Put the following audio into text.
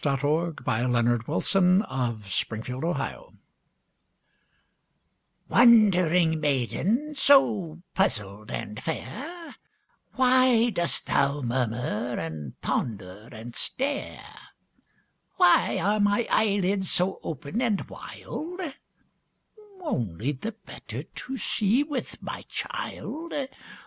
WHAT THE WOLF REALLY SAID TO LITTLE RED RIDING HOOD Wondering maiden, so puzzled and fair, Why dost thou murmur and ponder and stare? "Why are my eyelids so open and wild?" Only the better to see with, my child!